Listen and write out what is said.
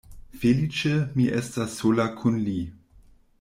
Feliĉe mi estas sola kun li.